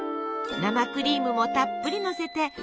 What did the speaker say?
生クリームもたっぷりのせて。